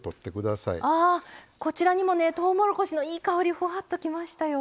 あこちらにもねとうもろこしのいい香りふわっときましたよ。